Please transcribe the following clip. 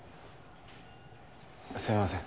すいません。